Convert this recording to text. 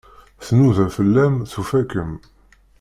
Tnuda fell-am, tufa-kem.